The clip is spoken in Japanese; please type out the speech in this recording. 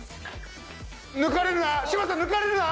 抜かれるな！